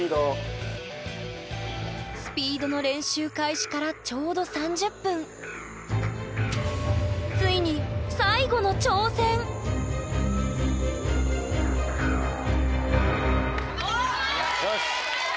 スピードの練習開始からちょうど３０分ついによし。